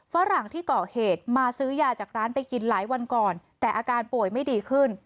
ฝรั่งที่เกาะเหตุมาซื้อยาจากร้านไปกินหลายวันก่อนแต่อาการป่วยไม่ดีขึ้น